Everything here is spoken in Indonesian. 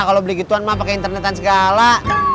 kalo beli gituan mah pake internetan segala